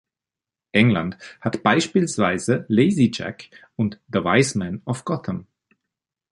England hat beispielsweise „Lazy Jack“ und „The Wise Men Of Gotham.